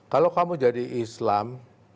kalau kamu jadi islam